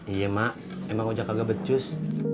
iya mak emang ojak kagak becus